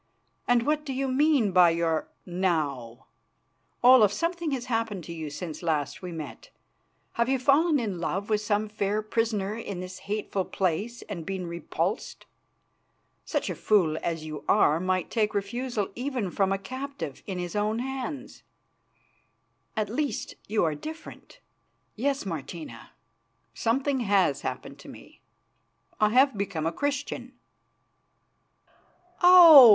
And what do you mean by your 'now'? Olaf, something has happened to you since last we met. Have you fallen in love with some fair prisoner in this hateful place and been repulsed? Such a fool as you are might take refusal even from a captive in his own hands. At least you are different." "Yes, Martina, something has happened to me. I have become a Christian." "Oh!